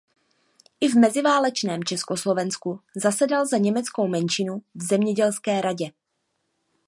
I v meziválečném Československu zasedal za německou menšinu v zemědělské radě.